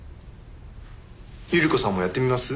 百合子さんもやってみます？